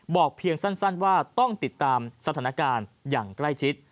เพียงสั้นว่าต้องติดตามสถานการณ์อย่างใกล้ชิด